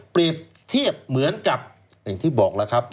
เปรียบเทียบเหมือนกับอย่างที่บอกแล้วครับ